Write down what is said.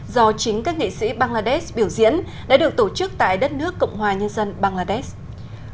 do chính các nghệ sĩ bangladesh biểu diễn đã được tổ chức tại đất nước cộng hòa nhân dân bangladesh